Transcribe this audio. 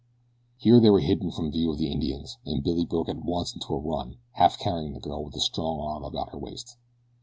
Here they were hidden from the view of the Indians, and Billy broke at once into a run, half carrying the girl with a strong arm about her waist.